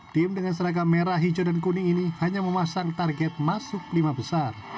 tim dengan seragam merah hijau dan kuning ini hanya memasang target masuk lima besar